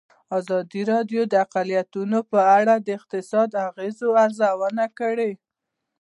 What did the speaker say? ازادي راډیو د اقلیتونه په اړه د اقتصادي اغېزو ارزونه کړې.